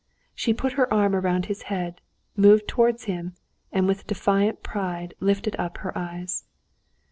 She put her arm around his head, moved towards him, and with defiant pride lifted up her eyes.